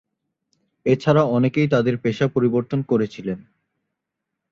এ ছাড়া অনেকেই তাদের পেশা পরিবর্তন করেছিলেন।